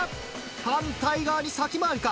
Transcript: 反対側に先回りか？